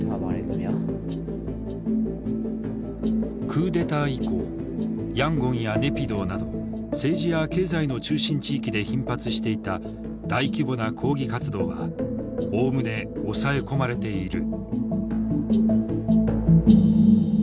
クーデター以降ヤンゴンやネピドーなど政治や経済の中心地域で頻発していた大規模な抗議活動はおおむね抑え込まれている。